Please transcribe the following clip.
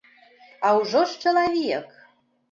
А ўжо ж чалавек!